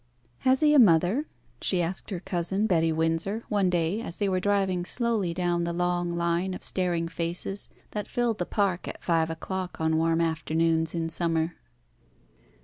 "Has he a mother?" she asked her cousin, Betty Windsor, one day as they were driving slowly down the long line of staring faces that filled the Park at five o'clock on warm afternoons in summer.